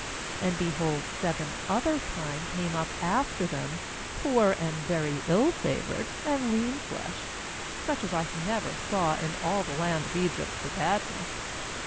19And, behold, seven other kine came up after them, poor and very ill favoured and lean fleshed, such as I never saw in all the land of Egypt for badness.